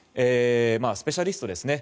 スペシャリストですね。